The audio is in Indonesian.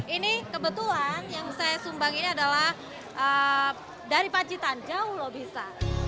ini kebetulan yang saya sumbang ini adalah dari pacitan jauh loh bisa